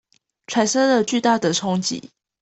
產生了巨大的衝擊